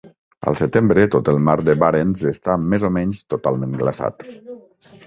Al setembre, tot el mar de Barents està més o menys totalment glaçat.